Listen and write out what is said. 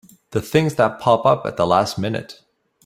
The things that pop up at the last minute!